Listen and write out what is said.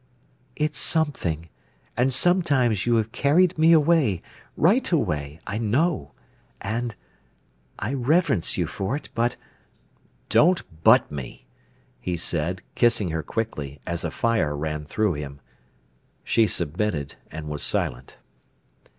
"It's something; and sometimes you have carried me away—right away—I know—and—I reverence you for it—but—" "Don't 'but' me," he said, kissing her quickly, as a fire ran through him. She submitted, and was silent.